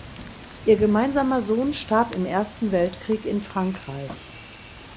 Ihr gemeinsamer Sohn starb im Ersten Weltkrieg in Frankreich.